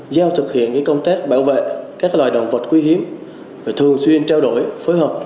giao thực hiện các công tác bảo vệ các loại động vật quý hiếm và thường xuyên trao đổi phối hợp